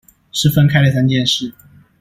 是分開的三件事